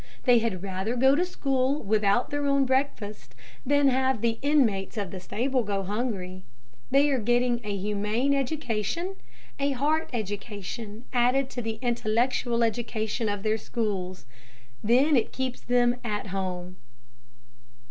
They had rather go to school without their own breakfast than have the inmates of the stable go hungry. They are getting a humane education, a heart education, added to the intellectual education of their schools. Then it keeps them at home.